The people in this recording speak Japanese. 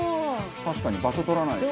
確かに場所取らないし。